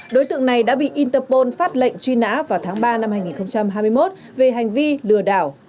đối tượng này đã bị interpol phát lệnh truy nã vào tháng ba năm hai nghìn hai mươi một về hành vi lừa đảo